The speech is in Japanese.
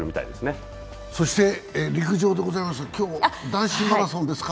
陸上ですが、今日は男子マラソンですか。